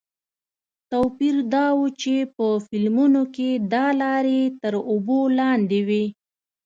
توپیر دا و چې په فلمونو کې دا لارې تر اوبو لاندې وې.